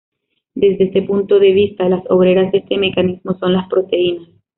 Desde este punto de vista, las "obreras" de este mecanismo son las proteínas.